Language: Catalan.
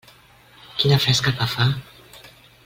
Quina fresca que fa!